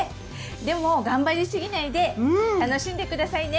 でも頑張りすぎないで楽しんで下さいね！